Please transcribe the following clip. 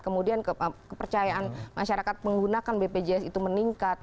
kemudian kepercayaan masyarakat menggunakan bpjs itu meningkat